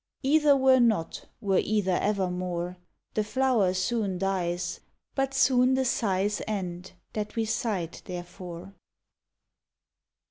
Either were not, were either evermore. The flower soon dies, But soon the sighs End, that we sighed therefor.